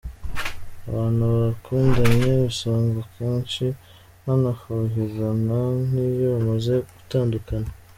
Abantu bakundanye usanga akenshi banafuhirana n’iyo bamaze gutandukana.